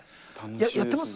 やってます？